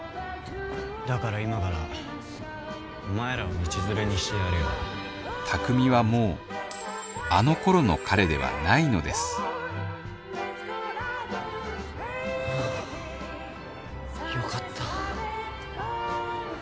だから今からお前らも道連卓海はもうあの頃の彼ではないのですはっよかった。